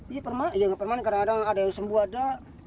iya permanen kadang kadang ada yang sembuh ada